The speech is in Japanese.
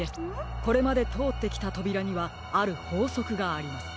これまでとおってきたとびらにはあるほうそくがあります。